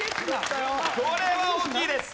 これは大きいです。